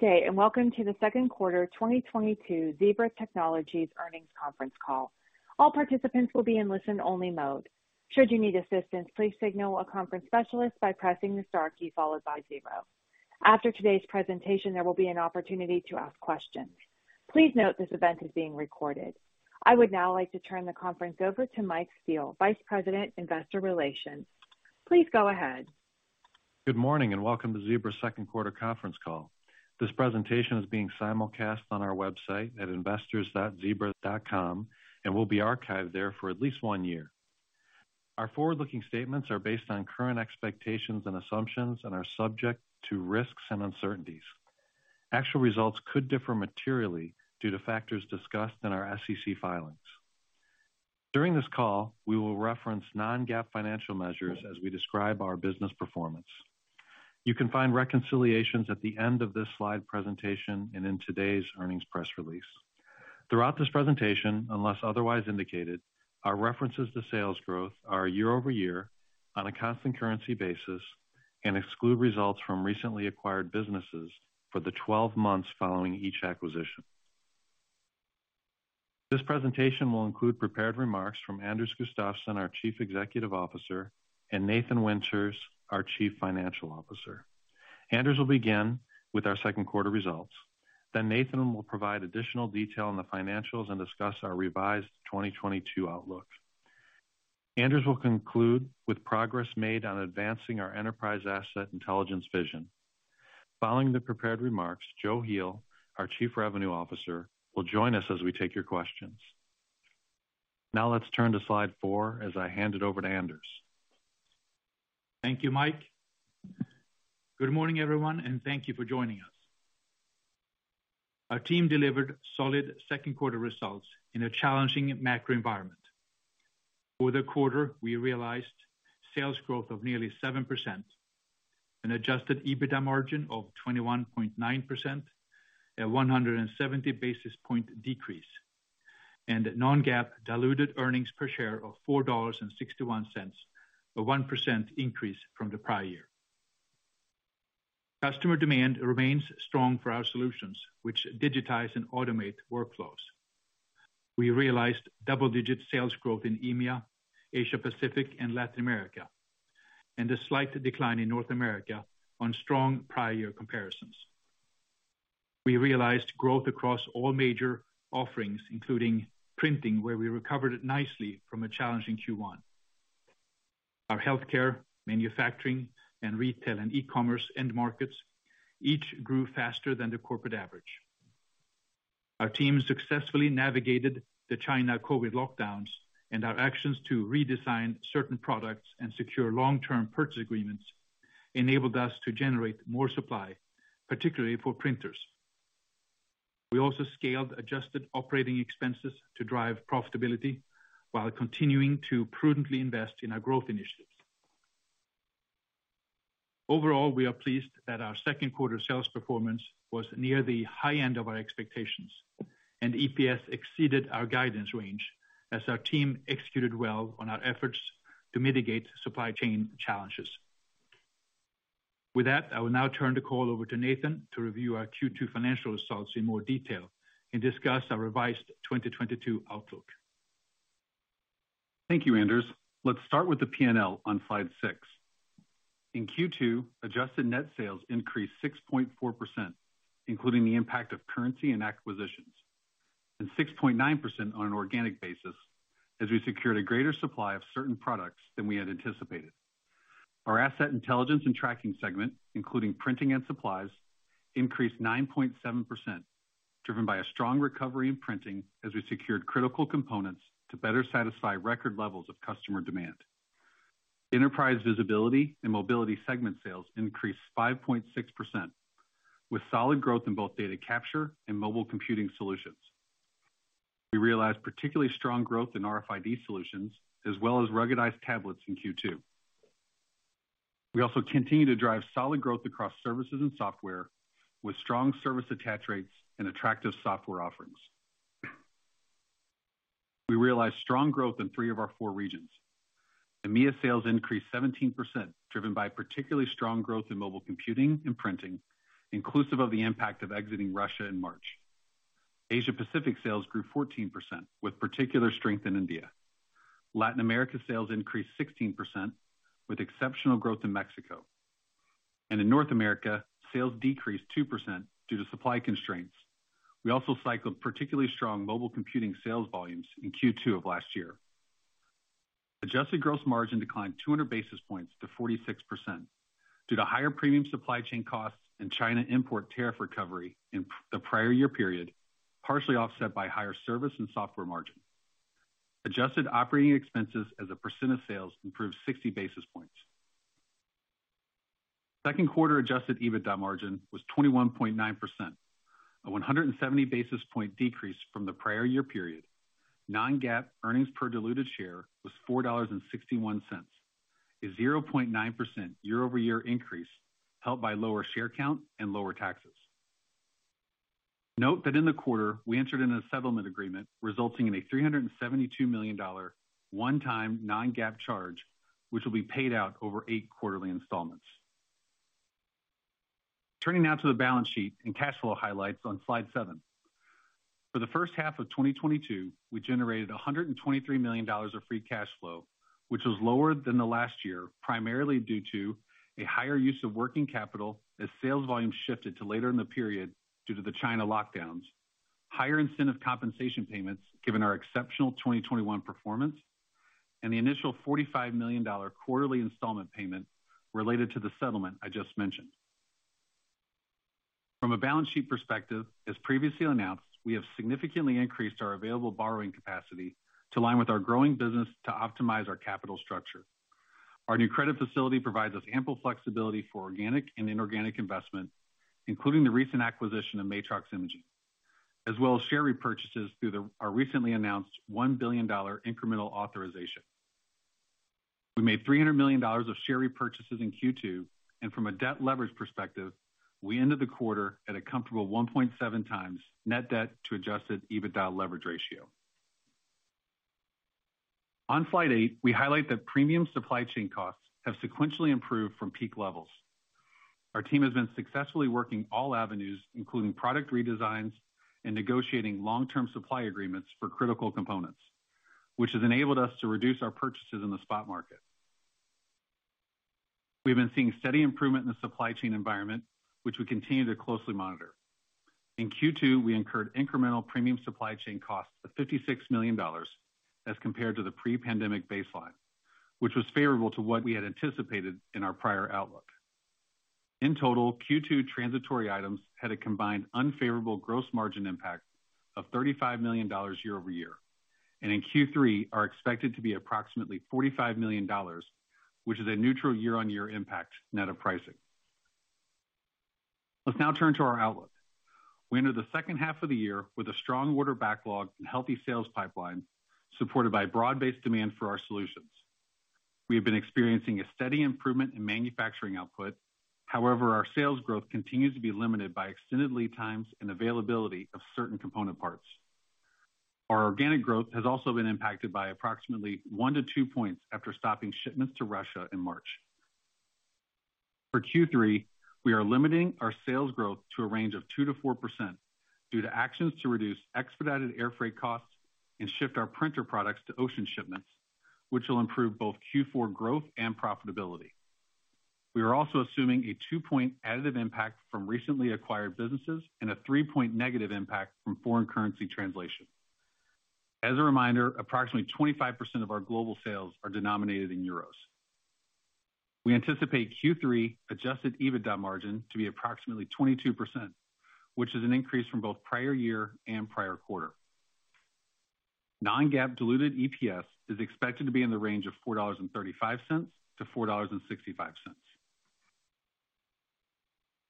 Good day, and welcome to the second quarter 2022 Zebra Technologies Earnings Conference Call. All participants will be in listen only mode. Should you need assistance, please signal a conference specialist by pressing the star key followed by zero. After today's presentation, there will be an opportunity to ask questions. Please note this event is being recorded. I would now like to turn the conference over to Mike Steele, Vice President, Investor Relations. Please go ahead. Good morning and welcome to Zebra's second quarter conference call. This presentation is being simulcast on our website at investors.zebra.com and will be archived there for at least one year. Our forward-looking statements are based on current expectations and assumptions and are subject to risks and uncertainties. Actual results could differ materially due to factors discussed in our SEC filings. During this call, we will reference non-GAAP financial measures as we describe our business performance. You can find reconciliations at the end of this slide presentation and in today's earnings press release. Throughout this presentation, unless otherwise indicated, our references to sales growth are year-over-year on a constant currency basis and exclude results from recently acquired businesses for the 12 months following each acquisition. This presentation will include prepared remarks from Anders Gustafsson, our Chief Executive Officer, and Nathan Winters, our Chief Financial Officer. Anders will begin with our second quarter results, then Nathan will provide additional detail on the financials and discuss our revised 2022 outlook. Anders will conclude with progress made on advancing our Enterprise Asset Intelligence vision. Following the prepared remarks, Joe Heel, our Chief Revenue Officer, will join us as we take your questions. Now let's turn to slide four as I hand it over to Anders. Thank you, Mike. Good morning, everyone, and thank you for joining us. Our team delivered solid second quarter results in a challenging macro environment. For the quarter, we realized sales growth of nearly 7%, an adjusted EBITDA margin of 21.9%, a 170 basis points decrease, and non-GAAP diluted earnings per share of $4.61, a 1% increase from the prior year. Customer demand remains strong for our solutions which digitize and automate workflows. We realized double-digit sales growth in EMEA, Asia Pacific, and Latin America, and a slight decline in North America on strong prior year comparisons. We realized growth across all major offerings, including printing, where we recovered nicely from a challenging Q1. Our healthcare, manufacturing, and retail and e-commerce end markets each grew faster than the corporate average. Our team successfully navigated the China COVID lockdowns and our actions to redesign certain products and secure long term purchase agreements enabled us to generate more supply, particularly for printers. We also scaled adjusted operating expenses to drive profitability while continuing to prudently invest in our growth initiatives. Overall, we are pleased that our second quarter sales performance was near the high end of our expectations and EPS exceeded our guidance range as our team executed well on our efforts to mitigate supply chain challenges. With that, I will now turn the call over to Nathan to review our Q2 financial results in more detail and discuss our revised 2022 outlook. Thank you, Anders. Let's start with the P&L on slide six. In Q2, adjusted net sales increased 6.4%, including the impact of currency and acquisitions, and 6.9% on an organic basis as we secured a greater supply of certain products than we had anticipated. Our Asset Intelligence and Tracking segment, including printing and supplies, increased 9.7%, driven by a strong recovery in printing as we secured critical components to better satisfy record levels of customer demand. Enterprise Visibility & Mobility segment sales increased 5.6%, with solid growth in both data capture and mobile computing solutions. We realized particularly strong growth in RFID solutions as well as ruggedized tablets in Q2. We also continue to drive solid growth across services and software with strong service attach rates and attractive software offerings. We realized strong growth in three of our four regions. EMEA sales increased 17%, driven by particularly strong growth in mobile computing and printing, inclusive of the impact of exiting Russia in March. Asia Pacific sales grew 14%, with particular strength in India. Latin America sales increased 16%, with exceptional growth in Mexico. In North America, sales decreased 2% due to supply constraints. We also cycled particularly strong mobile computing sales volumes in Q2 of last year. Adjusted gross margin declined 200 basis points to 46% due to higher premium supply chain costs and China import tariff recovery in the prior year period, partially offset by higher service and software margin. Adjusted operating expenses as a percent of sales improved 60 basis points. Second quarter adjusted EBITDA margin was 21.9%, a 170 basis points decrease from the prior year period. Non-GAAP earnings per diluted share was $4.61, a 0.9% year-over-year increase helped by lower share count and lower taxes. Note that in the quarter, we entered into a settlement agreement resulting in a $372 million one-time non-GAAP charge, which will be paid out over eight quarterly installments. Turning now to the balance sheet and cash flow highlights on slide seven. For the first half of 2022, we generated $123 million of free cash flow, which was lower than the last year, primarily due to a higher use of working capital as sales volume shifted to later in the period due to the China lockdowns, higher incentive compensation payments given our exceptional 2021 performance, and the initial $45 million quarterly installment payment related to the settlement I just mentioned. From a balance sheet perspective, as previously announced, we have significantly increased our available borrowing capacity to align with our growing business to optimize our capital structure. Our new credit facility provides us ample flexibility for organic and inorganic investment, including the recent acquisition of Matrox Imaging, as well as share repurchases through our recently announced $1 billion incremental authorization. We made $300 million of share repurchases in Q2, and from a debt leverage perspective, we ended the quarter at a comfortable 1.7 times net debt to adjusted EBITDA leverage ratio. On slide eight, we highlight that premium supply chain costs have sequentially improved from peak levels. Our team has been successfully working all avenues, including product redesigns and negotiating long-term supply agreements for critical components, which has enabled us to reduce our purchases in the spot market. We've been seeing steady improvement in the supply chain environment, which we continue to closely monitor. In Q2, we incurred incremental premium supply chain costs of $56 million as compared to the pre-pandemic baseline, which was favorable to what we had anticipated in our prior outlook. In total, Q2 transitory items had a combined unfavorable gross margin impact of $35 million year-over-year, and in Q3 are expected to be approximately $45 million, which is a neutral year-over-year impact net of pricing. Let's now turn to our outlook. We enter the second half of the year with a strong order backlog and healthy sales pipeline, supported by broad-based demand for our solutions. We have been experiencing a steady improvement in manufacturing output. However, our sales growth continues to be limited by extended lead times and availability of certain component parts. Our organic growth has also been impacted by approximately 1%-2% after stopping shipments to Russia in March. For Q3, we are limiting our sales growth to a range of 2%-4% due to actions to reduce expedited airfreight costs and shift our printer products to ocean shipments, which will improve both Q4 growth and profitability. We are also assuming a 2-point additive impact from recently acquired businesses and a 3-point negative impact from foreign currency translation. As a reminder, approximately 25% of our global sales are denominated in euros. We anticipate Q3 adjusted EBITDA margin to be approximately 22%, which is an increase from both prior year and prior quarter. Non-GAAP diluted EPS is expected to be in the range of $4.35-$4.65.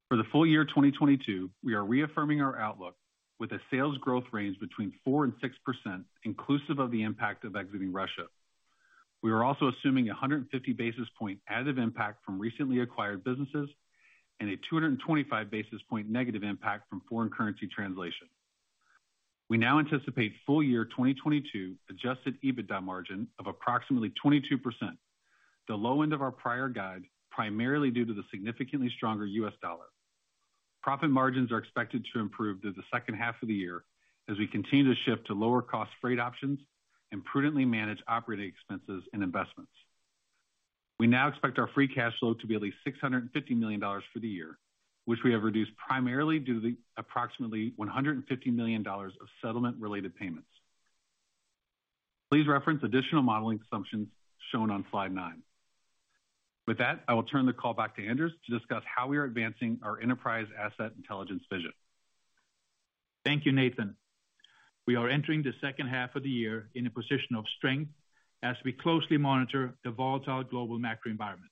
For the full year 2022, we are reaffirming our outlook with a sales growth range between 4% and 6% inclusive of the impact of exiting Russia. We are also assuming a 150 basis points additive impact from recently acquired businesses and a 225 basis points negative impact from foreign currency translation. We now anticipate full year 2022 adjusted EBITDA margin of approximately 22%, the low end of our prior guide, primarily due to the significantly stronger U.S. dollar. Profit margins are expected to improve through the second half of the year as we continue to shift to lower cost freight options and prudently manage operating expenses and investments. We now expect our free cash flow to be at least $650 million for the year, which we have reduced primarily due to the approximately $150 million of settlement-related payments. Please reference additional modeling assumptions shown on slide nine. With that, I will turn the call back to Anders to discuss how we are advancing our Enterprise Asset Intelligence vision. Thank you, Nathan. We are entering the second half of the year in a position of strength as we closely monitor the volatile global macro environment.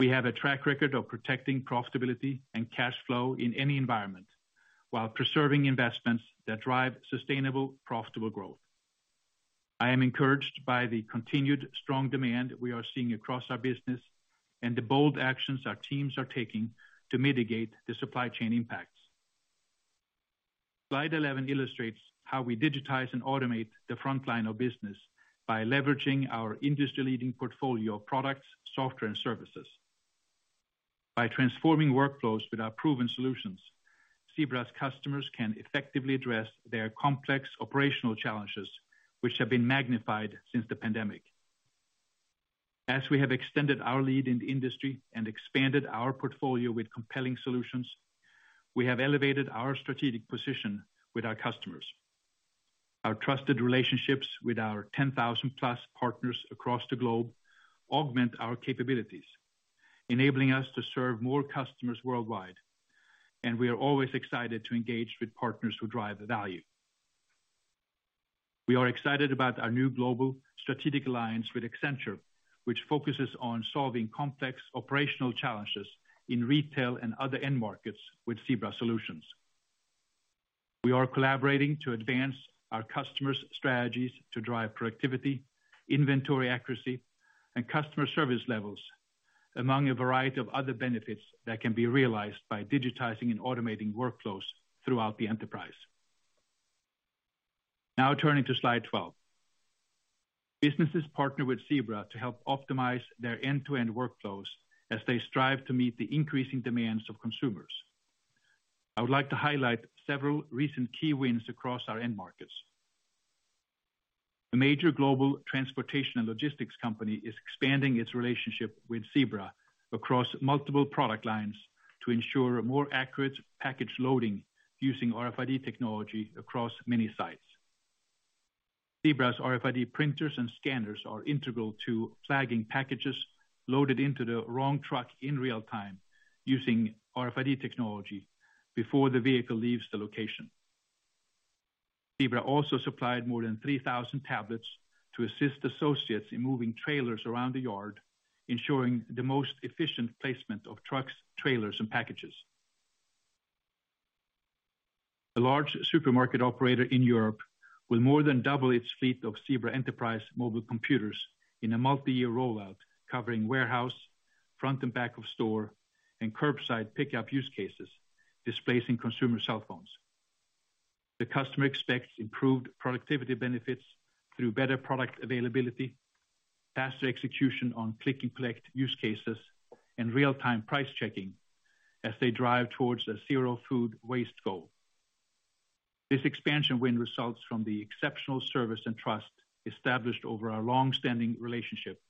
We have a track record of protecting profitability and cash flow in any environment while preserving investments that drive sustainable, profitable growth. I am encouraged by the continued strong demand we are seeing across our business and the bold actions our teams are taking to mitigate the supply chain impacts. Slide 11 illustrates how we digitize and automate the front line of business by leveraging our industry-leading portfolio of products, software, and services. By transforming workflows with our proven solutions, Zebra's customers can effectively address their complex operational challenges, which have been magnified since the pandemic. We have extended our lead in the industry and expanded our portfolio with compelling solutions. We have elevated our strategic position with our customers. Our trusted relationships with our 10,000+ partners across the globe augment our capabilities, enabling us to serve more customers worldwide, and we are always excited to engage with partners who drive value. We are excited about our new global strategic alliance with Accenture, which focuses on solving complex operational challenges in retail and other end markets with Zebra solutions. We are collaborating to advance our customers' strategies to drive productivity, inventory accuracy, and customer service levels, among a variety of other benefits that can be realized by digitizing and automating workflows throughout the enterprise. Now turning to slide 12. Businesses partner with Zebra to help optimize their end-to-end workflows as they strive to meet the increasing demands of consumers. I would like to highlight several recent key wins across our end markets. A major global transportation and logistics company is expanding its relationship with Zebra across multiple product lines to ensure a more accurate package loading using RFID technology across many sites. Zebra's RFID printers and scanners are integral to flagging packages loaded into the wrong truck in real time using RFID technology before the vehicle leaves the location. Zebra also supplied more than 3,000 tablets to assist associates in moving trailers around the yard, ensuring the most efficient placement of trucks, trailers, and packages. A large supermarket operator in Europe will more than double its fleet of Zebra enterprise mobile computers in a multi-year rollout covering warehouse, front and back of store, and curbside pickup use cases, displacing consumer cell phones. The customer expects improved productivity benefits through better product availability, faster execution on click and collect use cases, and real-time price checking as they drive towards a zero food waste goal. This expansion win results from the exceptional service and trust established over our long-standing relationship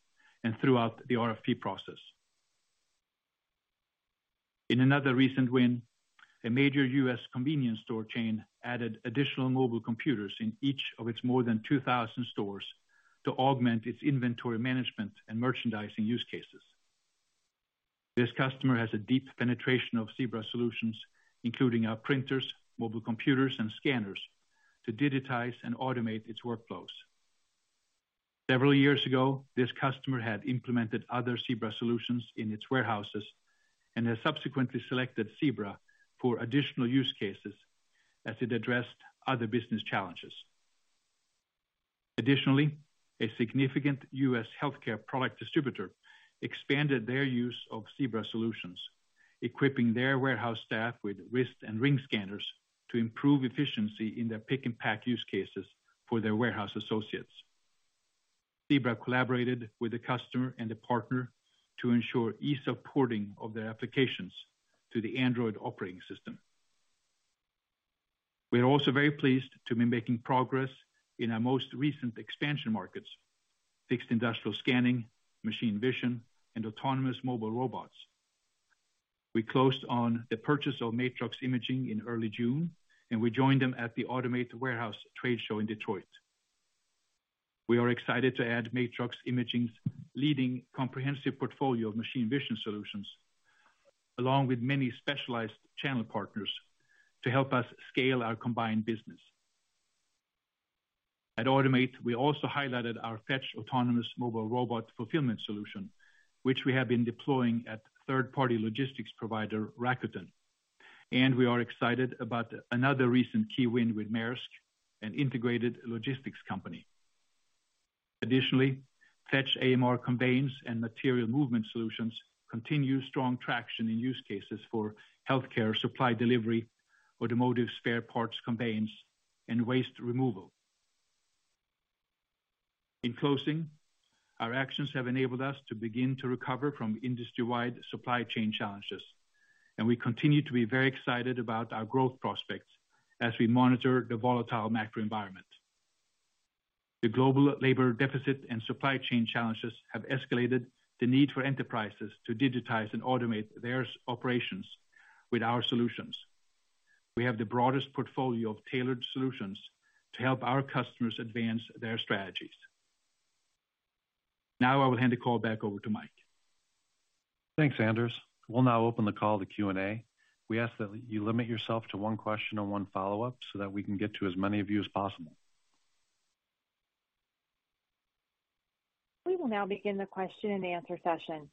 and throughout the RFP process. In another recent win, a major U.S. convenience store chain added additional mobile computers in each of its more than 2,000 stores to augment its inventory management and merchandising use cases. This customer has a deep penetration of Zebra solutions, including our printers, mobile computers, and scanners to digitize and automate its workflows. Several years ago, this customer had implemented other Zebra solutions in its warehouses and has subsequently selected Zebra for additional use cases as it addressed other business challenges. Additionally, a significant U.S. healthcare product distributor expanded their use of Zebra solutions, equipping their warehouse staff with wrist and ring scanners to improve efficiency in their pick and pack use cases for their warehouse associates. Zebra collaborated with the customer and the partner to ensure ease of porting of their applications to the Android operating system. We are also very pleased to be making progress in our most recent expansion markets, fixed industrial scanning, machine vision, and autonomous mobile robots. We closed on the purchase of Matrox Imaging in early June, and we joined them at the Automate trade show in Detroit. We are excited to add Matrox Imaging's leading comprehensive portfolio of machine vision solutions, along with many specialized channel partners to help us scale our combined business. At Automate, we also highlighted our Fetch autonomous mobile robot fulfillment solution, which we have been deploying at third-party logistics provider, Rakuten. We are excited about another recent key win with Maersk, an integrated logistics company. Additionally, Fetch AMR conveyors and material movement solutions continue strong traction in use cases for healthcare supply delivery, automotive spare parts conveyance, and waste removal. In closing, our actions have enabled us to begin to recover from industry-wide supply chain challenges, and we continue to be very excited about our growth prospects as we monitor the volatile macro environment. The global labor deficit and supply chain challenges have escalated the need for enterprises to digitize and automate their operations with our solutions. We have the broadest portfolio of tailored solutions to help our customers advance their strategies. Now I will hand the call back over to Mike. Thanks, Anders. We'll now open the call to Q&A. We ask that you limit yourself to one question and one follow-up so that we can get to as many of you as possible. We will now begin the question and answer session.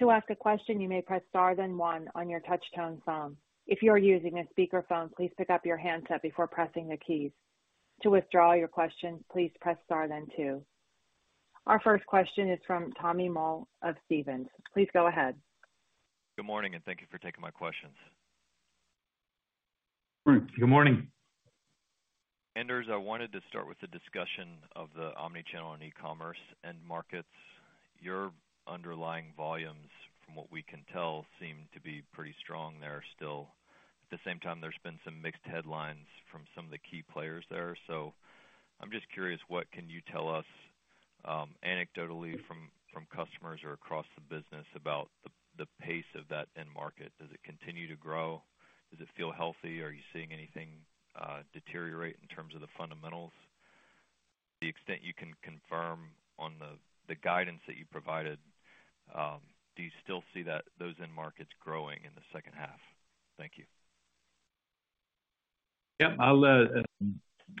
To ask a question, you may press star then one on your touch tone phone. If you are using a speakerphone, please pick up your handset before pressing the keys. To withdraw your question, please press star then two. Our first question is from Tommy Moll of Stephens. Please go ahead. Good morning, and thank you for taking my questions. Good morning. Anders, I wanted to start with the discussion of the omni-channel and e-commerce end markets. Your underlying volumes, from what we can tell, seem to be pretty strong there still. At the same time, there's been some mixed headlines from some of the key players there. I'm just curious, what can you tell us anecdotally from customers or across the business about the pace of that end market? Does it continue to grow? Does it feel healthy? Are you seeing anything deteriorate in terms of the fundamentals? To the extent you can confirm on the guidance that you provided, do you still see those end markets growing in the second half? Thank you. Yeah,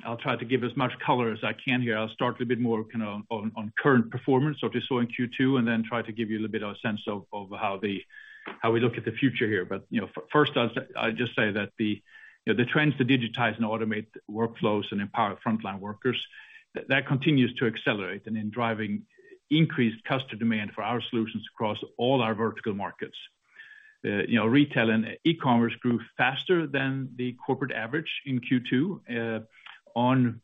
I'll try to give as much color as I can here. I'll start a bit more kinda on current performance, so what you saw in Q2, and then try to give you a little bit of a sense of how we look at the future here. First, I'll just say that the trends to digitize and automate workflows and empower frontline workers continues to accelerate and in driving increased customer demand for our solutions across all our vertical markets. You know, retail and e-commerce grew faster than the corporate average in Q2, on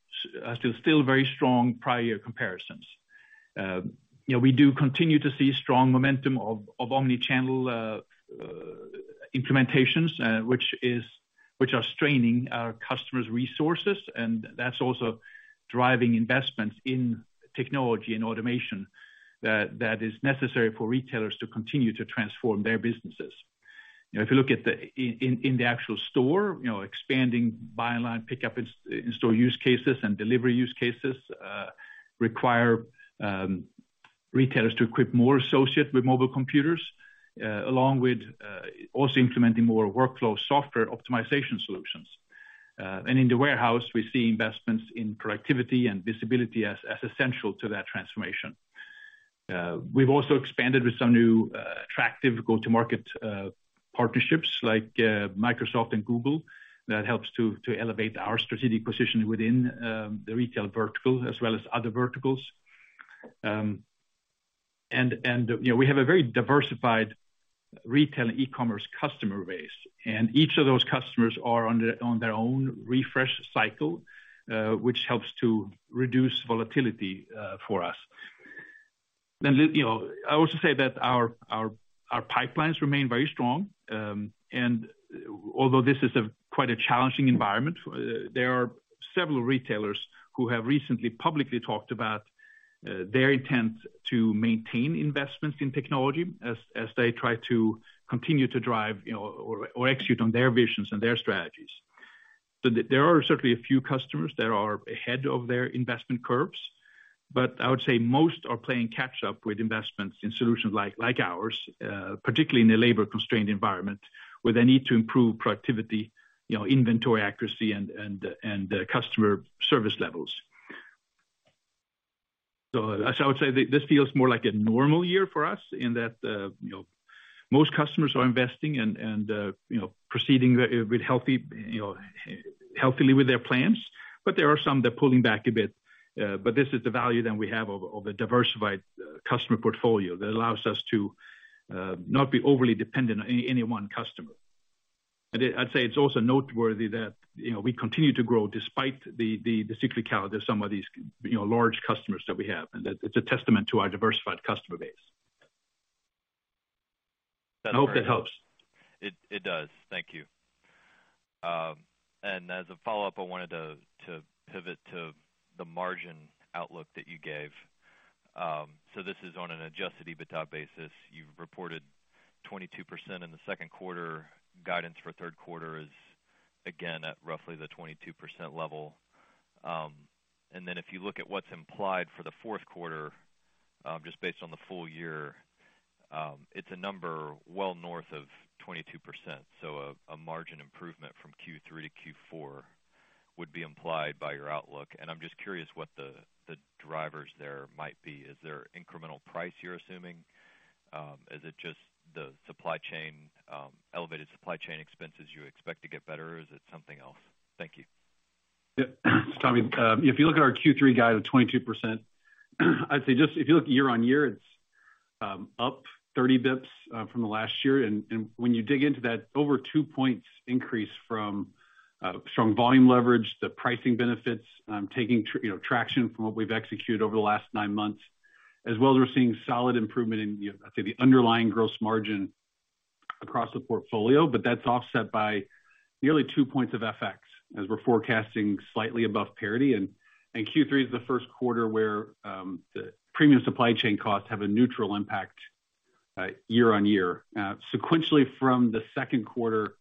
still very strong prior comparisons. You know, we do continue to see strong momentum of omni-channel implementations, which are straining our customers' resources, and that's also driving investments in technology and automation that is necessary for retailers to continue to transform their businesses. You know, if you look at the in the actual store, expanding buy online, pickup in-store use cases and delivery use cases require retailers to equip more associate with mobile computers, along with also implementing more workflow software optimization solutions. In the warehouse, we see investments in productivity and visibility as essential to that transformation. We've also expanded with some new attractive go-to-market partnerships like Microsoft and Google that helps to elevate our strategic position within the retail vertical as well as other verticals. You know, we have a very diversified retail e-commerce customer base, and each of those customers are on their own refresh cycle, which helps to reduce volatility for us. You know, I will say that our pipelines remain very strong, and although this is quite a challenging environment, there are several retailers who have recently publicly talked about their intent to maintain investments in technology as they try to continue to drive, you know, or execute on their visions and their strategies. There are certainly a few customers that are ahead of their investment curves, but I would say most are playing catch up with investments in solutions like ours, particularly in a labor-constrained environment where they need to improve productivity, you know, inventory accuracy and customer service levels. I would say this feels more like a normal year for us in that, you know, most customers are investing and, you know, proceeding healthily with their plans. There are some that are pulling back a bit, but this is the value that we have of a diversified customer portfolio that allows us to not be overly dependent on any one customer. I'd say it's also noteworthy that, you know, we continue to grow despite the cyclicality of some of these, you know, large customers that we have, and that it's a testament to our diversified customer base. I hope that helps. It does. Thank you. As a follow-up, I wanted to pivot to the margin outlook that you gave. This is on an adjusted EBITDA basis. You've reported 22% in the second quarter. Guidance for third quarter is again at roughly the 22% level. Then if you look at what's implied for the fourth quarter, just based on the full year, it's a number well north of 22%. A margin improvement from Q3 to Q4 would be implied by your outlook. I'm just curious what the drivers there might be. Is there incremental price you're assuming? Is it just the supply chain, elevated supply chain expenses you expect to get better, or is it something else? Thank you. Yeah. Tommy, if you look at our Q3 guide of 22%, I'd say just if you look year-on-year, it's up 30 basis points from the last year. When you dig into that, over 2 points increase from strong volume leverage, the pricing benefits, taking traction from what we've executed over the last nine months. As well as we're seeing solid improvement in, I'd say the underlying gross margin across the portfolio, but that's offset by nearly 2 points of FX as we're forecasting slightly above parity. Q3 is the first quarter where the premium supply chain costs have a neutral impact year-on-year. Sequentially from the second quarter,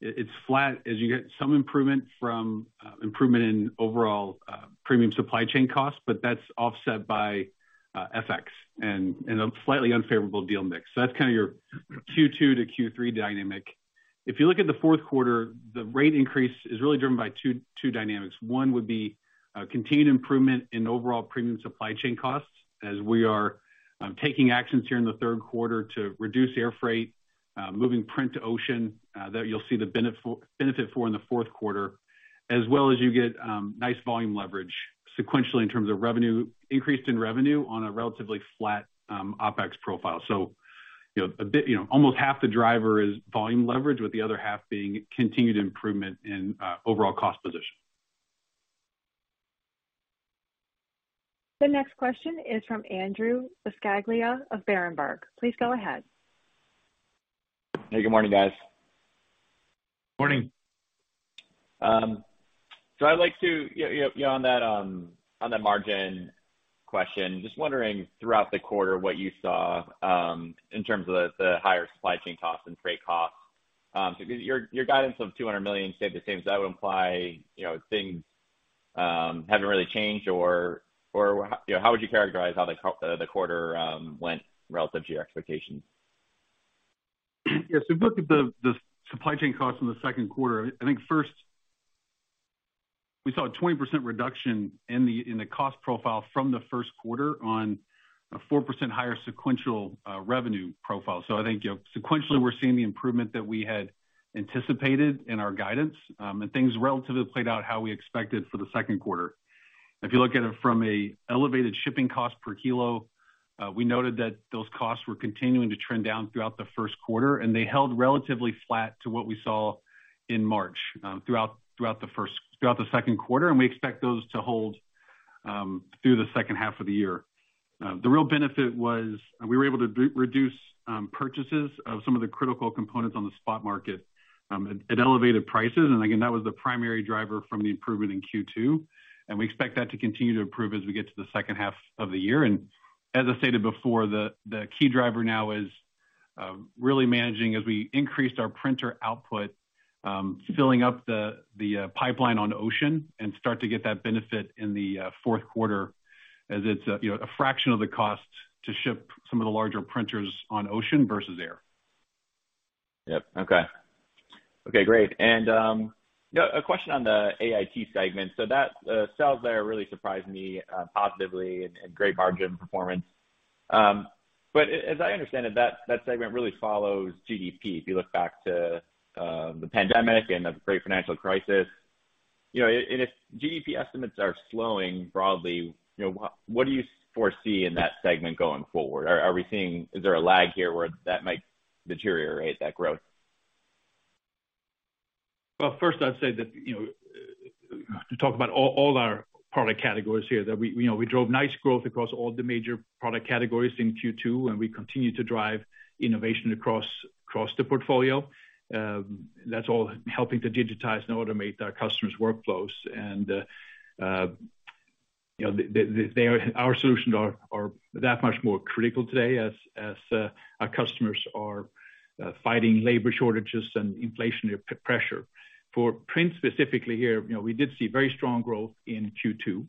it's flat as you get some improvement in overall premium supply chain costs, but that's offset by FX and a slightly unfavorable deal mix. That's kind of your Q2 to Q3 dynamic. If you look at the fourth quarter, the rate increase is really driven by two dynamics. One would be continued improvement in overall premium supply chain costs as we are taking actions here in the third quarter to reduce air freight, moving print to ocean, that you'll see the benefit for in the fourth quarter, as well as you get nice volume leverage sequentially in terms of revenue, increase in revenue on a relatively flat OpEx profile. You know, a bit, you know, almost half the driver is volume leverage, with the other half being continued improvement in overall cost position. The next question is from Andrew Buscaglia of Berenberg. Please go ahead. Hey, good morning, guys. Morning. I'd like to, you know, on that margin question, just wondering throughout the quarter what you saw, in terms of the higher supply chain costs and freight costs. Your guidance of $200 million stayed the same. That would imply, you know, things haven't really changed or, you know, how would you characterize how the quarter went relative to your expectations? Yeah. If you look at the supply chain costs in the second quarter, I think. First, we saw a 20% reduction in the cost profile from the first quarter on a 4% higher sequential revenue profile. I think sequentially, we're seeing the improvement that we had anticipated in our guidance, and things relatively played out how we expected for the second quarter. If you look at it from an elevated shipping cost per kilo, we noted that those costs were continuing to trend down throughout the first quarter, and they held relatively flat to what we saw in March, throughout the second quarter. We expect those to hold through the second half of the year. The real benefit was we were able to reduce purchases of some of the critical components on the spot market at elevated prices. Again, that was the primary driver from the improvement in Q2, and we expect that to continue to improve as we get to the second half of the year. As I stated before, the key driver now is really managing as we increase our printer output, filling up the pipeline on ocean and start to get that benefit in the fourth quarter as it's, you know, a fraction of the cost to ship some of the larger printers on ocean versus air. Okay, great. A question on the AIT segment. That sales there really surprised me positively and great margin performance. As I understand it, that segment really follows GDP. If you look back to the pandemic and the Great Financial Crisis, you know, and if GDP estimates are slowing broadly, you know, what do you foresee in that segment going forward? Is there a lag here where that might deteriorate that growth? Well, first, I'd say that, you know, to talk about all our product categories here, that we, you know, we drove nice growth across all the major product categories in Q2, and we continue to drive innovation across the portfolio. That's all helping to digitize and automate our customers' workflows. Our solutions are that much more critical today as our customers are fighting labor shortages and inflationary pressure. For print specifically here, you know, we did see very strong growth in Q2.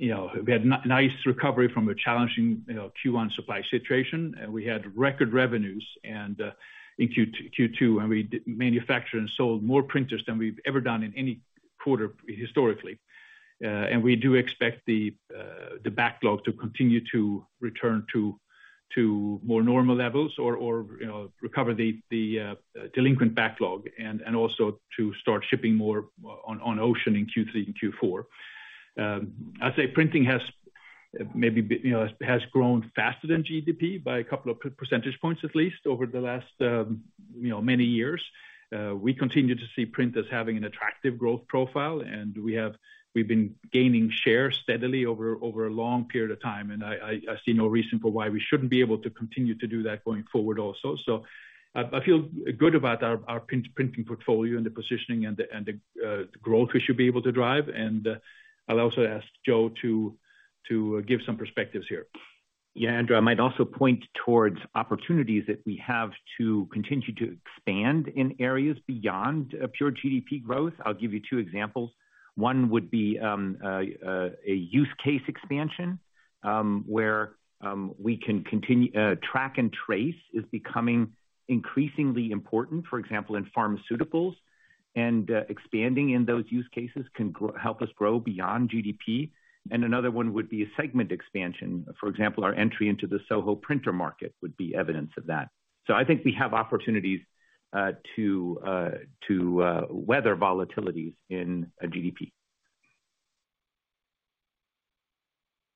You know, we had nice recovery from a challenging, you know, Q1 supply situation. We had record revenues in Q2, and we manufactured and sold more printers than we've ever done in any quarter historically. We do expect the backlog to continue to return to more normal levels or, you know, recover the delinquent backlog and also to start shipping more on ocean in Q3 and Q4. I'd say printing has maybe, you know, grown faster than GDP by a couple of percentage points, at least over the last many years. We continue to see print as having an attractive growth profile, and we've been gaining share steadily over a long period of time, and I see no reason for why we shouldn't be able to continue to do that going forward also. I feel good about our printing portfolio and the positioning and the growth we should be able to drive. I'll also ask Joe to give some perspectives here. Yeah. Andrew, I might also point towards opportunities that we have to continue to expand in areas beyond pure GDP growth. I'll give you two examples. One would be a use case expansion, where track and trace is becoming increasingly important, for example, in pharmaceuticals. Expanding in those use cases can help us grow beyond GDP. Another one would be a segment expansion. For example, our entry into the SOHO printer market would be evidence of that. I think we have opportunities to weather volatilities in a GDP.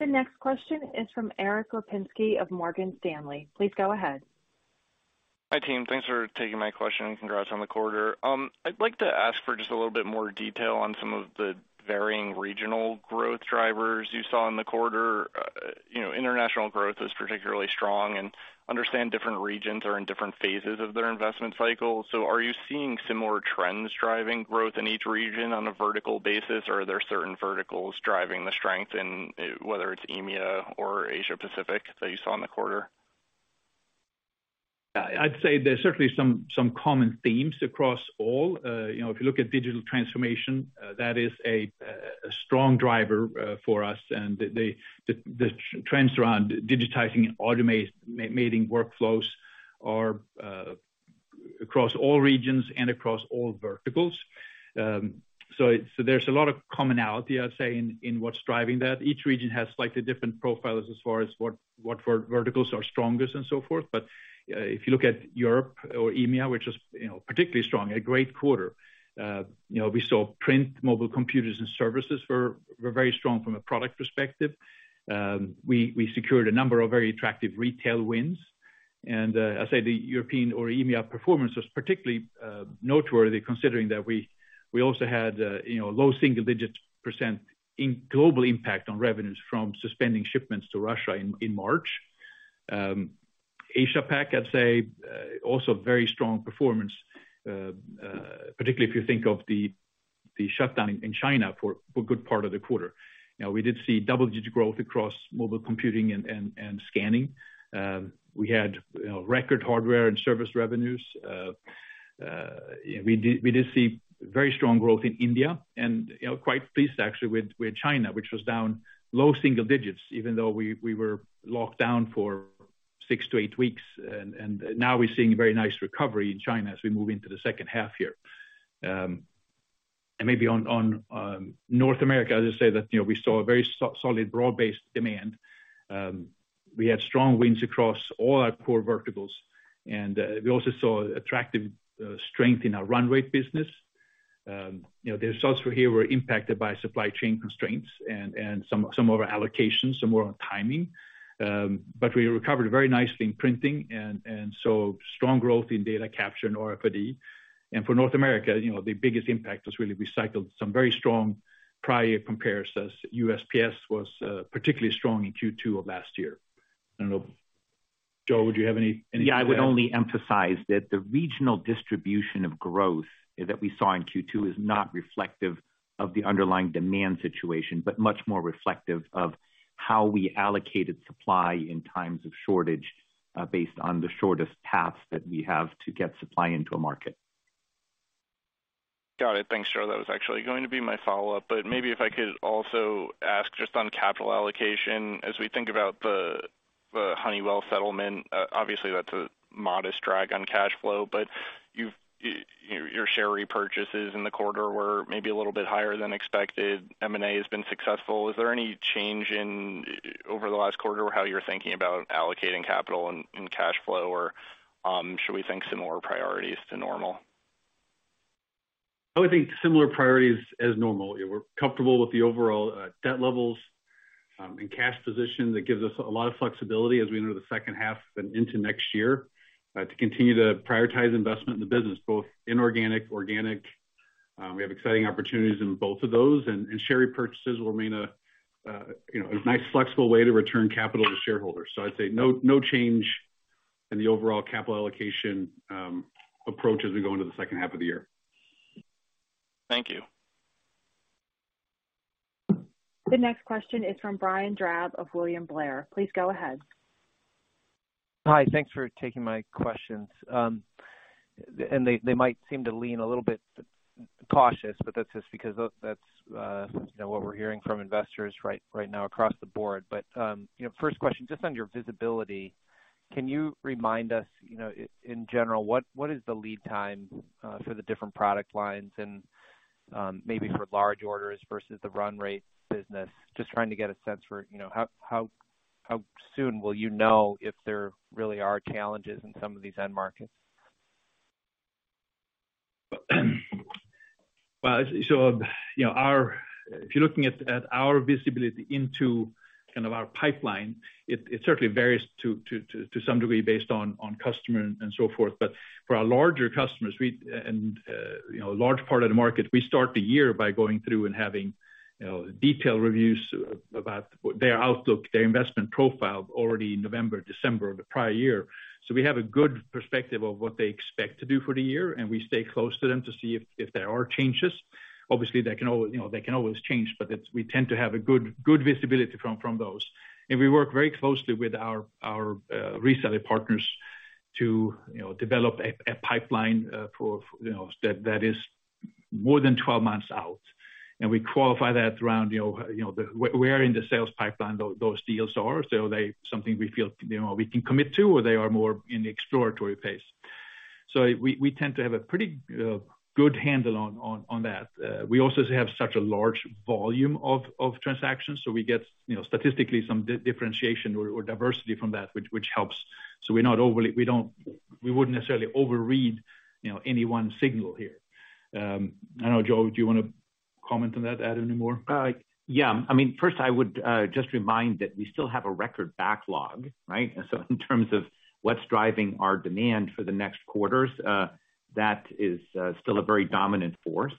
The next question is from Erik Lapinski of Morgan Stanley. Please go ahead. Hi, team. Thanks for taking my question, and congrats on the quarter. I'd like to ask for just a little bit more detail on some of the varying regional growth drivers you saw in the quarter. You know, international growth is particularly strong and I understand different regions are in different phases of their investment cycle. Are you seeing similar trends driving growth in each region on a vertical basis? Are there certain verticals driving the strength in whether it's EMEA or Asia Pacific that you saw in the quarter? I'd say there's certainly some common themes across all. You know, if you look at digital transformation, that is a strong driver for us. The trends around digitizing and automating workflows are across all regions and across all verticals. There's a lot of commonality, I'd say, in what's driving that. Each region has slightly different profiles as far as what verticals are strongest and so forth. If you look at Europe or EMEA, which is particularly strong, a great quarter. You know, we saw print, mobile computers, and services were very strong from a product perspective. We secured a number of very attractive retail wins. I'd say the European or EMEA performance was particularly noteworthy, considering that we also had, you know, low single-digit % in global impact on revenues from suspending shipments to Russia in March. Asia Pac, I'd say, also very strong performance, particularly if you think of the shutdown in China for a good part of the quarter. You know, we did see double-digit % growth across mobile computing and scanning. We had, you know, record hardware and service revenues. We did see very strong growth in India, and, you know, quite pleased actually with China, which was down low single digits %, even though we were locked down for six-eight weeks. Now we're seeing very nice recovery in China as we move into the second half year. Maybe on North America, I'll just say that, you know, we saw a very solid broad-based demand. We had strong wins across all our core verticals. We also saw attractive strength in our run rate business. You know, the results were impacted by supply chain constraints and some of our allocations, some were on timing. We recovered very nicely in printing and so strong growth in data capture and RFID. For North America, you know, the biggest impact was really the result of some very strong prior comparisons. USPS was particularly strong in Q2 of last year. I don't know, Joe. Would you have anything to add? Yeah, I would only emphasize that the regional distribution of growth that we saw in Q2 is not reflective of the underlying demand situation, but much more reflective of how we allocated supply in times of shortage, based on the shortest paths that we have to get supply into a market. Got it. Thanks, Joe. That was actually going to be my follow-up, but maybe if I could also ask just on capital allocation as we think about the Honeywell settlement. Obviously that's a modest drag on cash flow, but your share repurchases in the quarter were maybe a little bit higher than expected. M&A has been successful. Is there any change over the last quarter or how you're thinking about allocating capital and cash flow? Or should we think similar priorities to normal? I would think similar priorities as normal. We're comfortable with the overall debt levels and cash position that gives us a lot of flexibility as we enter the second half and into next year to continue to prioritize investment in the business, both inorganic, organic. We have exciting opportunities in both of those, and share repurchases will remain a you know a nice flexible way to return capital to shareholders. I'd say no change in the overall capital allocation approach as we go into the second half of the year. Thank you. The next question is from Brian Drab of William Blair. Please go ahead. Hi. Thanks for taking my questions. They might seem to lean a little bit cautious, but that's just because that's you know, what we're hearing from investors right now across the board. You know, first question, just on your visibility, can you remind us, you know, in general, what is the lead time for the different product lines and maybe for large orders versus the run rate business? Just trying to get a sense for, you know, how soon will you know if there really are challenges in some of these end markets? Well, you know, if you're looking at our visibility into kind of our pipeline, it certainly varies to some degree based on customer and so forth. For our larger customers, we and you know, a large part of the market, we start the year by going through and having you know, detailed reviews about their outlook, their investment profile already November, December of the prior year. We have a good perspective of what they expect to do for the year, and we stay close to them to see if there are changes. Obviously, they can always, you know, they can always change, but we tend to have a good visibility from those. We work very closely with our reseller partners to, you know, develop a pipeline for, you know, that is more than 12 months out. We qualify that around, you know, where in the sales pipeline those deals are. So they're something we feel, you know, we can commit to, or they are more in the exploratory phase. We tend to have a pretty good handle on that. We also have such a large volume of transactions, so we get, you know, statistically some differentiation or diversity from that which helps. We wouldn't necessarily overread, you know, any one signal here. I don't know, Joe, do you wanna comment on that, add any more? Yeah. I mean, first, I would just remind that we still have a record backlog, right? In terms of what's driving our demand for the next quarters, that is still a very dominant force.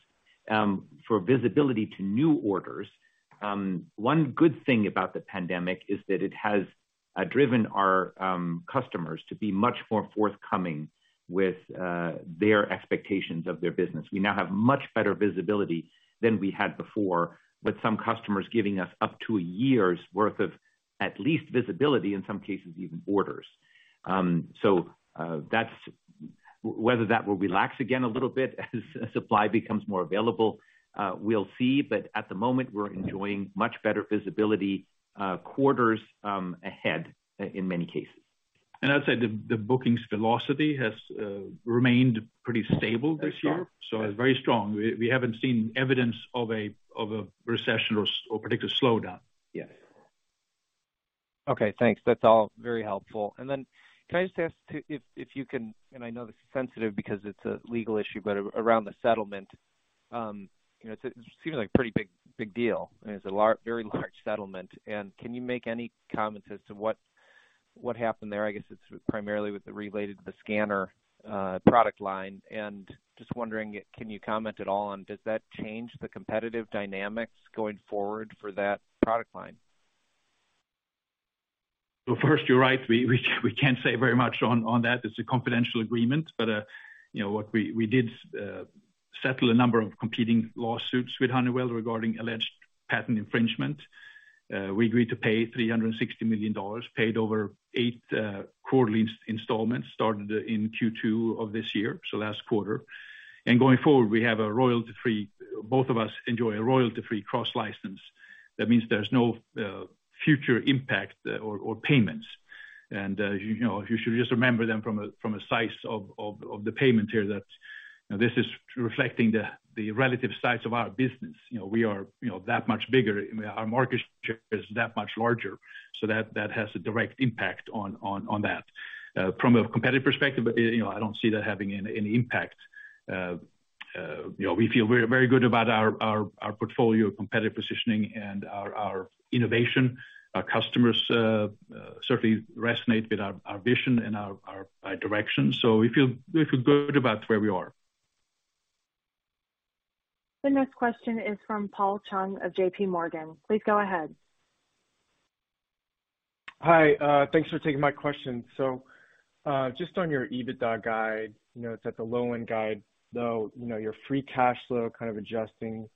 For visibility to new orders, one good thing about the pandemic is that it has driven our customers to be much more forthcoming with their expectations of their business. We now have much better visibility than we had before, with some customers giving us up to a year's worth of at least visibility, in some cases, even orders. That's whether that will relax again a little bit as supply becomes more available, we'll see. At the moment, we're enjoying much better visibility quarters ahead in many cases. I'd say the bookings velocity has remained pretty stable this year. Very strong. Very strong. We haven't seen evidence of a recession or particular slowdown. Yes. Okay, thanks. That's all very helpful. Then can I just ask if you can, and I know this is sensitive because it's a legal issue, but around the settlement, you know, it seems like a pretty big deal, and it's a very large settlement. Can you make any comments as to what happened there? I guess it's primarily related to the scanner product line. Just wondering, can you comment at all on does that change the competitive dynamics going forward for that product line? Well, first, you're right. We can't say very much on that. It's a confidential agreement. You know, what we did settle a number of competing lawsuits with Honeywell regarding alleged patent infringement. We agreed to pay $360 million, paid over eight quarterly installments, started in Q2 of this year, so last quarter. Going forward, we have a royalty-free cross-license. Both of us enjoy a royalty-free cross-license. That means there's no future impact or payments. You know, you should just remember then from a size of the payment here that, you know, this is reflecting the relative size of our business. We are that much bigger. Our market share is that much larger. That has a direct impact on that. From a competitive perspective, you know, I don't see that having any impact. You know, we feel very good about our portfolio competitive positioning and our innovation. Our customers certainly resonate with our vision and our direction. We feel good about where we are. The next question is from Paul Chung of JPMorgan. Please go ahead. Hi, thanks for taking my question. Just on your EBITDA guide, you know, it's at the low-end guide, though, you know, your free cash flow kind of adjusting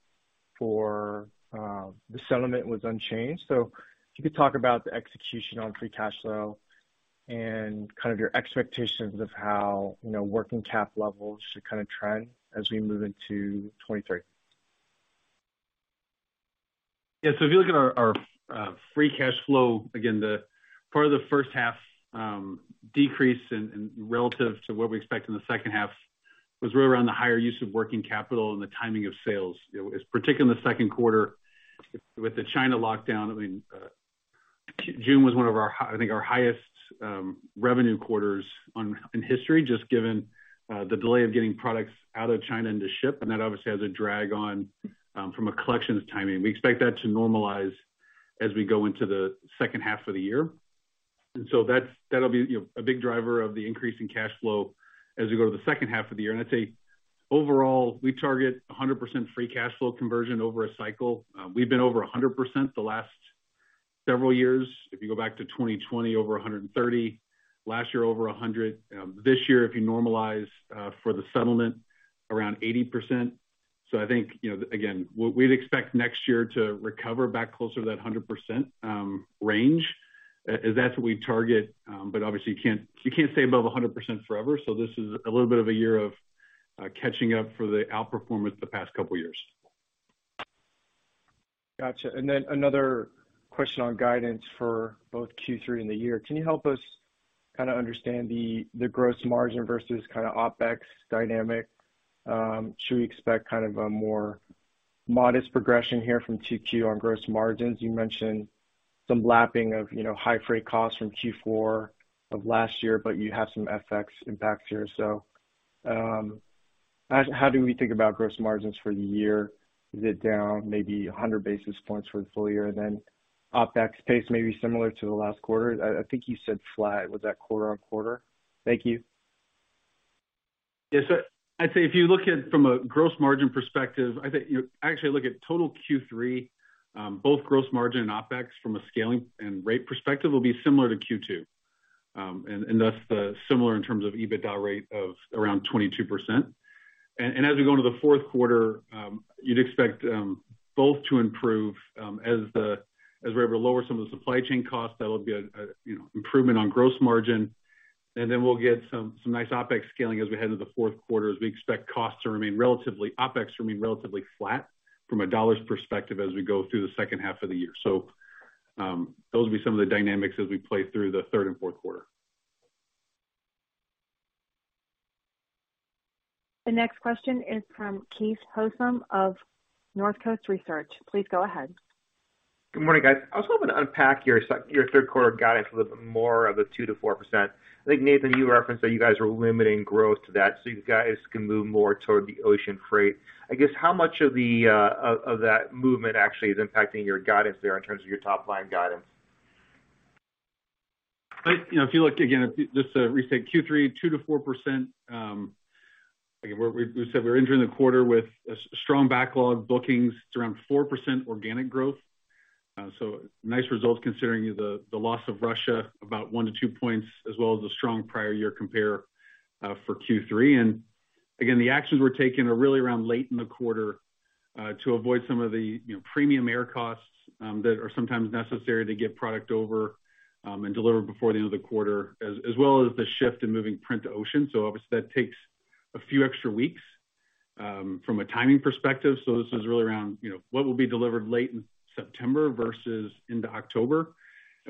for, the settlement was unchanged. If you could talk about the execution on free cash flow and kind of your expectations of how, you know, working cap levels should kind of trend as we move into 2023. Yeah. If you look at our free cash flow, again, the part of the first half decrease in relative to what we expect in the second half was really around the higher use of working capital and the timing of sales. You know, it was particularly in the second quarter with the China lockdown. I mean, June was one of our highest revenue quarters in history, just given the delay of getting products out of China and to ship, and that obviously has a drag on from a collections timing. We expect that to normalize as we go into the second half of the year. That'll be, you know, a big driver of the increase in cash flow as we go to the second half of the year. I'd say, overall, we target 100% free cash flow conversion over a cycle. We've been over 100% the last several years. If you go back to 2020, over 130. Last year, over 100. This year, if you normalize for the settlement, around 80%. I think, you know, again, we'd expect next year to recover back closer to that 100% range, as that's what we target. But obviously you can't stay above 100% forever. This is a little bit of a year of catching up for the outperformance the past couple years. Gotcha. Then another question on guidance for both Q3 and the year. Can you help us kinda understand the gross margin versus kinda OpEx dynamic? Should we expect kind of a more modest progression here from 2Q on gross margins? You mentioned some lapping of, you know, high freight costs from Q4 of last year, but you have some FX impacts here. How do we think about gross margins for the year? Is it down maybe 100 basis points for the full year? Then OpEx pace may be similar to the last quarter. I think you said flat. Was that quarter-over-quarter? Thank you. Yes. I'd say if you look at from a gross margin perspective. Actually, look at total Q3, both gross margin and OpEx from a scaling and rate perspective will be similar to Q2. Thus they'll be similar in terms of EBITDA rate of around 22%. As we go into the fourth quarter, you'd expect both to improve as we're able to lower some of the supply chain costs. That'll be a you know improvement on gross margin. Then we'll get some nice OpEx scaling as we head into the fourth quarter, as we expect OpEx to remain relatively flat from a dollars perspective as we go through the second half of the year. Those will be some of the dynamics as we play through the third and fourth quarter. The next question is from Keith Housum of Northcoast Research. Please go ahead. Good morning, guys. I was hoping to unpack your third quarter guidance a little bit more of the 2%-4%. I think, Nathan, you referenced that you guys are limiting growth to that so you guys can move more toward the ocean freight. I guess how much of that movement actually is impacting your guidance there in terms of your top line guidance. You know, if you look again at just to restate Q3, 2%-4%, again, we said we're entering the quarter with a strong backlog bookings. It's around 4% organic growth. Nice results considering the loss of Russia, about 1-2 points, as well as the strong prior year compare for Q3. Again, the actions we're taking are really around late in the quarter to avoid some of the, you know, premium air costs that are sometimes necessary to get product over and delivered before the end of the quarter, as well as the shift in moving print to ocean. Obviously, that takes a few extra weeks from a timing perspective. This one's really around, you know, what will be delivered late in September versus into October.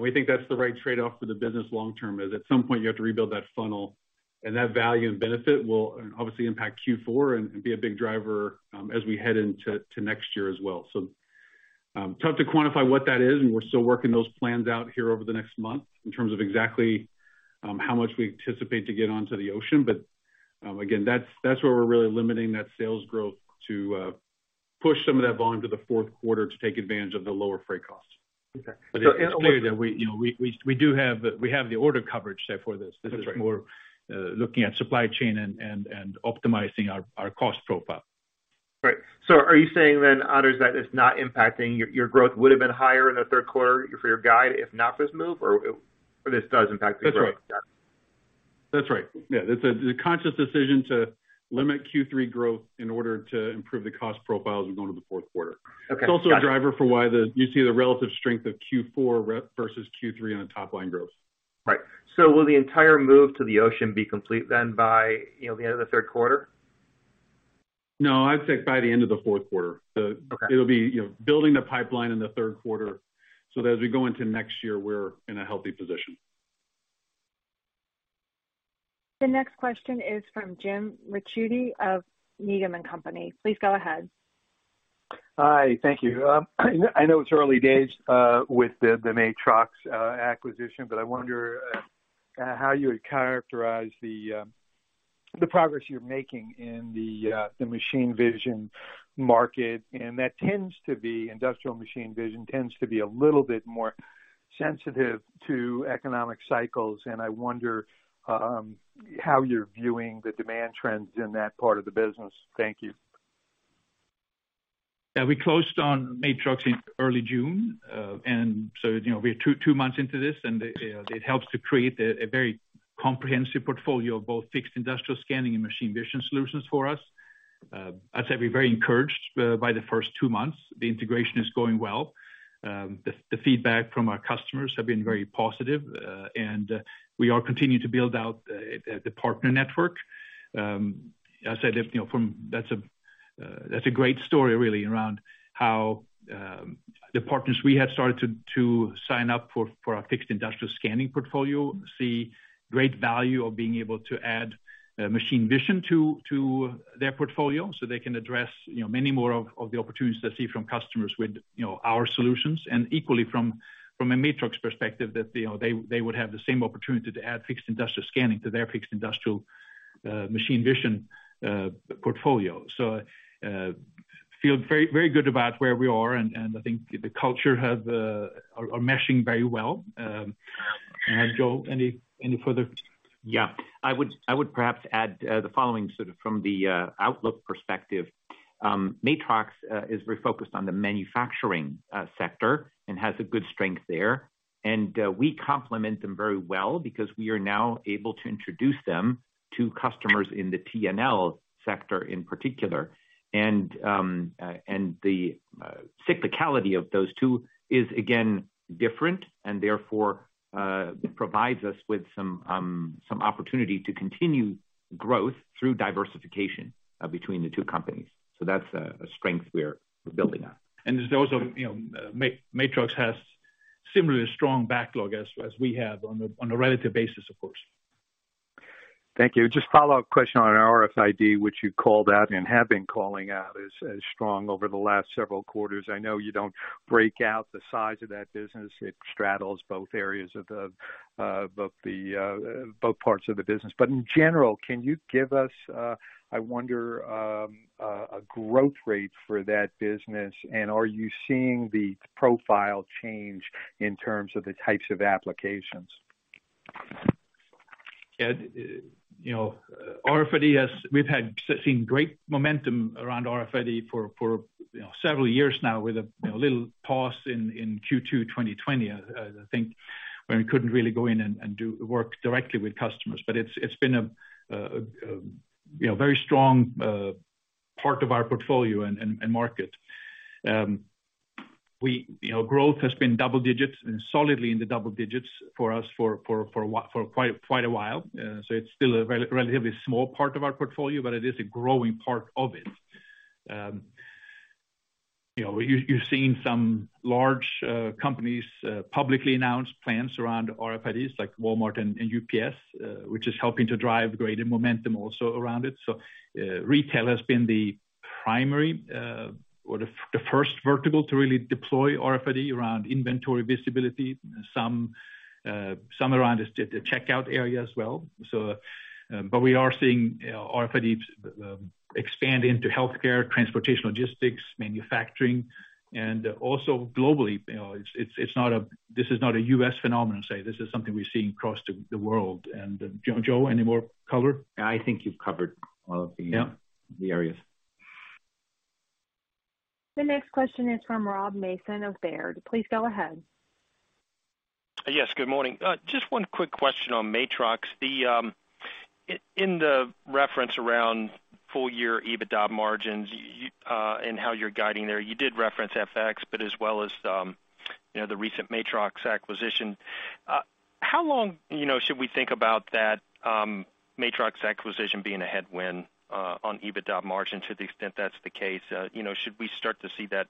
We think that's the right trade-off for the business long term, is at some point you have to rebuild that funnel, and that value and benefit will obviously impact Q4 and be a big driver as we head into next year as well. It's hard to quantify what that is, and we're still working those plans out here over the next month in terms of exactly how much we anticipate to get onto the ocean. Again, that's where we're really limiting that sales growth to push some of that volume to the fourth quarter to take advantage of the lower freight costs. Okay. It's clear that we, you know, do have the order coverage set for this. That's right. This is more looking at supply chain and optimizing our cost profile. Right. Are you saying, Anders, that it's not impacting your growth would have been higher in the third quarter for your guide if not for this move, or will this does impact the growth? That's right. Got it. That's right. Yeah. It's a conscious decision to limit Q3 growth in order to improve the cost profile as we go into the fourth quarter. Okay. Got it. It's also a driver for why you see the relative strength of Q4 versus Q3 on the top line growth. Right. Will the entire move to the ocean be complete then by, you know, the end of the third quarter? No, I'd say by the end of the fourth quarter. Okay. It'll be, you know, building the pipeline in the third quarter, so that as we go into next year, we're in a healthy position. The next question is from James Ricchiuti of Needham & Company. Please go ahead. Hi, thank you. I know it's early days with the Matrox acquisition, but I wonder how you would characterize the progress you're making in the machine vision market. Industrial machine vision tends to be a little bit more sensitive to economic cycles. I wonder how you're viewing the demand trends in that part of the business. Thank you. Yeah, we closed on Matrox in early June. You know, we're two months into this, and it helps to create a very comprehensive portfolio of both Fixed Industrial Scanning and machine vision solutions for us. I'd say we're very encouraged by the first two months. The integration is going well. The feedback from our customers have been very positive, and we are continuing to build out the partner network. That's a great story really around how the partners we have started to sign up for our Fixed Industrial Scanning portfolio see great value in being able to add machine vision to their portfolio so they can address, you know, many more of the opportunities they see from customers with, you know, our solutions. And equally from a Matrox perspective, you know, they would have the same opportunity to add Fixed Industrial Scanning to their fixed industrial machine vision portfolio. Feel very, very good about where we are, and I think the cultures are meshing very well. Joe, any further? Yeah. I would perhaps add the following sort of from the outlook perspective. Matrox is very focused on the manufacturing sector and has a good strength there. We complement them very well because we are now able to introduce them to customers in the T&L sector in particular. The cyclicality of those two is again different and therefore provides us with some opportunity to continue growth through diversification between the two companies. That's a strength we're building on. There's also, you know, Matrox has similarly strong backlog as we have on a relative basis, of course. Thank you. Just follow-up question on RFID, which you called out and have been calling out as strong over the last several quarters. I know you don't break out the size of that business. It straddles both parts of the business. In general, can you give us a growth rate for that business, and are you seeing the profile change in terms of the types of applications? Yeah. You know, RFID has. We've had seen great momentum around RFID for, you know, several years now with a, you know, little pause in Q2 2020, I think, when we couldn't really go in and do work directly with customers. But it's been a, you know, very strong part of our portfolio and market. We, you know, growth has been double digits and solidly in the double digits for us for quite a while. So it's still a very relatively small part of our portfolio, but it is a growing part of it. You know, you've seen some large companies publicly announce plans around RFID like Walmart and UPS, which is helping to drive greater momentum also around it. Retail has been the primary, or the first vertical to really deploy RFID around inventory visibility, some around just the checkout area as well. We are seeing RFID expand into healthcare, transportation, logistics, manufacturing, and also globally. You know, it's not a U.S. phenomenon. This is something we're seeing across the world. Joe, any more color? I think you've covered all of the. Yeah. The areas. The next question is from Robert Mason of Baird. Please go ahead. Yes, good morning. Just one quick question on Matrox. In the reference around full year EBITDA margins, and how you're guiding there, you did reference FX, but as well as, you know, the recent Matrox acquisition. How long, you know, should we think about that Matrox acquisition being a headwind on EBITDA margin to the extent that's the case? You know, should we start to see that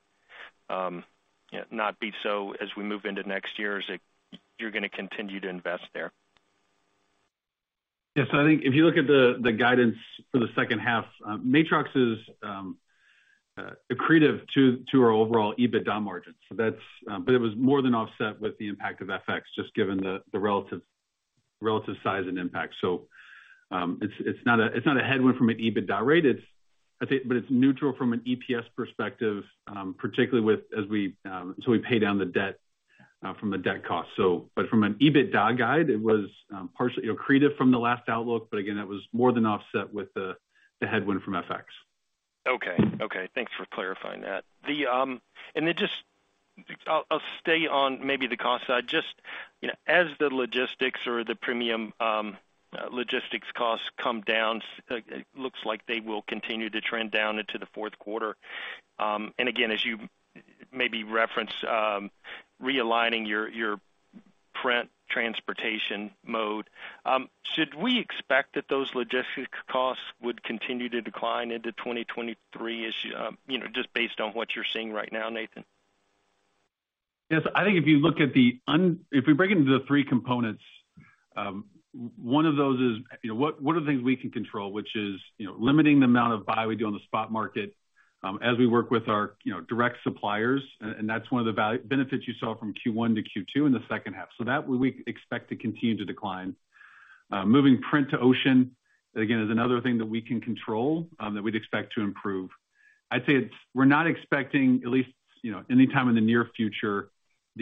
not be so as we move into next year, is it you're gonna continue to invest there? Yes. I think if you look at the guidance for the second half, Matrox is accretive to our overall EBITDA margins. It was more than offset with the impact of FX, just given the relative size and impact. It's not a headwind from an EBITDA rate. I think it's neutral from an EPS perspective, particularly as we pay down the debt from the debt cost. From an EBITDA guide, it was partially accretive from the last outlook, but again, that was more than offset with the headwind from FX. Okay. Okay, thanks for clarifying that. I'll stay on maybe the cost side. Just, you know, as the logistics or the premium logistics costs come down, it looks like they will continue to trend down into the fourth quarter. Maybe reference realigning your print transportation mode. Should we expect that those logistics costs would continue to decline into 2023 as you know, just based on what you're seeing right now, Nathan? Yes. I think if we break it into the three components, one of those is, you know, what are the things we can control, which is, you know, limiting the amount of buy we do on the spot market, as we work with our, you know, direct suppliers. And that's one of the benefits you saw from Q1 to Q2 in the second half. That one we expect to continue to decline. Moving freight to ocean, again, is another thing that we can control, that we'd expect to improve. I'd say we're not expecting, at least, you know, anytime in the near future,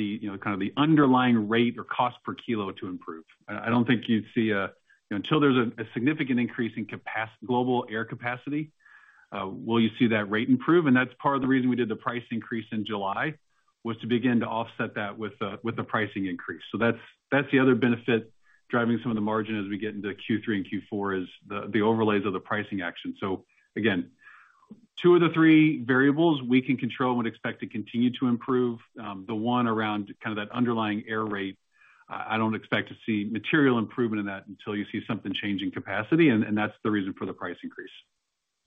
you know, kind of the underlying rate or cost per kilo to improve. I don't think you'd see, you know, until there's a significant increase in global air capacity, will you see that rate improve, and that's part of the reason we did the price increase in July, was to begin to offset that with the pricing increase. That's the other benefit driving some of the margin as we get into Q3 and Q4 is the overlays of the pricing action. Again, two of the three variables we can control and would expect to continue to improve. The one around kind of that underlying air rate, I don't expect to see material improvement in that until you see something change in capacity and that's the reason for the price increase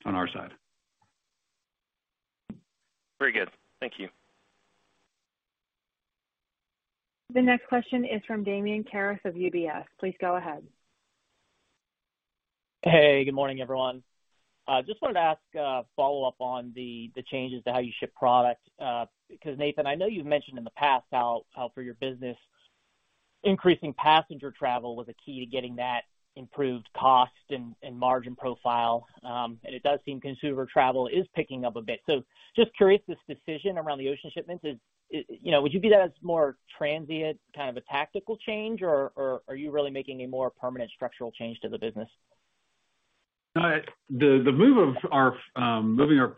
on our side. Very good. Thank you. The next question is from Damian Karas of UBS. Please go ahead. Hey, good morning, everyone. Just wanted to ask a follow-up on the changes to how you ship product, because Nathan, I know you've mentioned in the past how for your business, increasing passenger travel was a key to getting that improved cost and margin profile. It does seem consumer travel is picking up a bit. Just curious, this decision around the ocean shipments is, you know, would you view that as more transient, kind of a tactical change or are you really making a more permanent structural change to the business? The move of our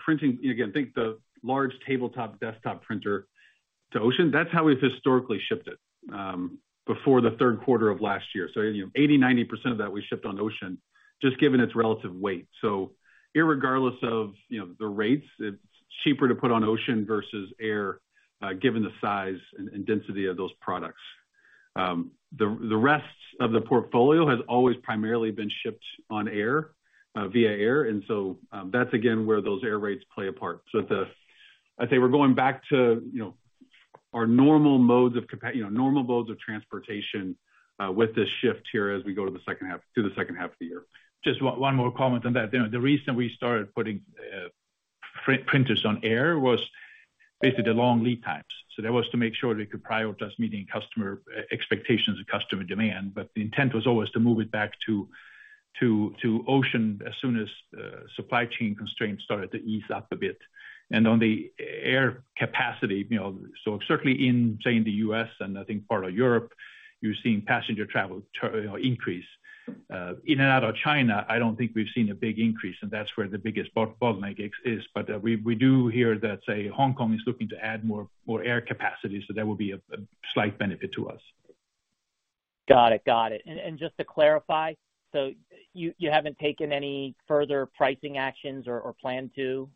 printing, again, think the large tabletop desktop printer to ocean. That's how we've historically shipped it before the third quarter of last year. You know, 80%-90% of that we shipped on ocean just given its relative weight. Irregardless of, you know, the rates, it's cheaper to put on ocean versus air given the size and density of those products. The rest of the portfolio has always primarily been shipped on air via air. That's again where those air rates play a part. It's. I'd say we're going back to, you know, our normal modes of transportation with this shift here as we go to the second half of the year. Just one more comment on that. The reason we started putting printers on air was basically the long lead times. That was to make sure we could prioritize meeting customer expectations and customer demand. The intent was always to move it back to ocean as soon as supply chain constraints started to ease up a bit. On the air capacity, you know, certainly in, say, the U.S. and I think part of Europe, you're seeing passenger travel increase. In and out of China, I don't think we've seen a big increase, and that's where the biggest bottleneck exists. We do hear that, say, Hong Kong is looking to add more air capacity, so that would be a slight benefit to us. Got it. Just to clarify, you haven't taken any further pricing actions or plan to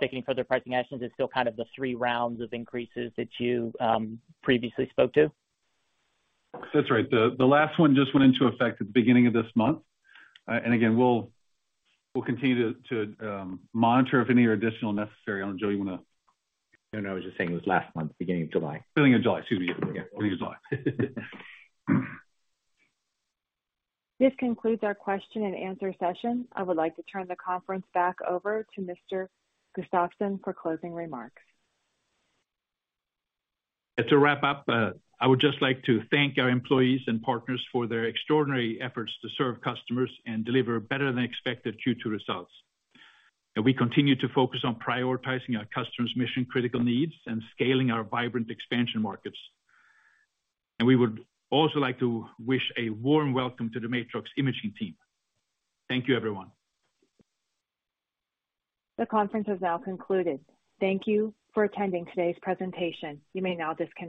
taking further pricing actions. It's still kind of the three rounds of increases that you previously spoke to? That's right. The last one just went into effect at the beginning of this month. Again, we'll continue to monitor if any are additional necessary. I don't know, Joe, you wanna? No, no. I was just saying it was last month. Beginning of July. Beginning of July. Excuse me. Yeah. Please go on. This concludes our question and answer session. I would like to turn the conference back over to Mr. Gustafsson for closing remarks. To wrap up, I would just like to thank our employees and partners for their extraordinary efforts to serve customers and deliver better than expected Q2 results. We continue to focus on prioritizing our customers' mission-critical needs and scaling our vibrant expansion markets. We would also like to wish a warm welcome to the Matrox Imaging team. Thank you, everyone. The conference has now concluded. Thank you for attending today's presentation. You may now disconnect.